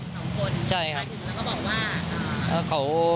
เขาโดนจี้มา